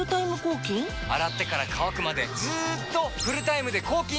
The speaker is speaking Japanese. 洗ってから乾くまでずっとフルタイムで抗菌！